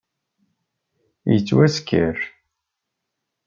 Yettwasker.